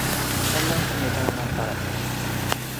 ken la mi o tawa ma Palata.